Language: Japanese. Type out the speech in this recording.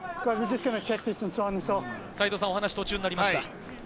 齊藤さん、お話、途中になりました。